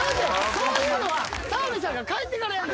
そういうのは澤部さんが帰ってからやる。